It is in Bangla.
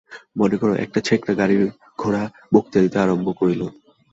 মনে কর, একটা ছেকড়া গাড়ীর ঘোড়া বক্তৃতা দিতে আরম্ভ করিল।